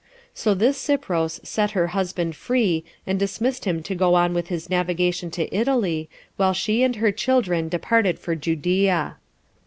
So this Cypros set her husband free, and dismissed him to go on with his navigation to Italy, while she and her children departed for Judea.